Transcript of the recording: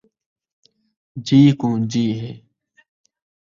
جی کوں جی ہے